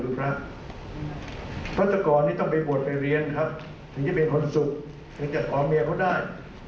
พระศาคอร์ต้องไปแบบวีวิทย์ไปเรียนจึงจะเป็นคนสุขจนจะก่อเมียก็ได้